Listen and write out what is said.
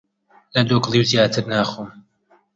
لە دۆکڵیو زیاتر ناخۆم!